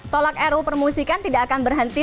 tolak ru permusikan tidak akan berhenti